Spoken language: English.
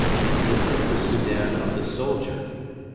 This is the Soudan of the soldier.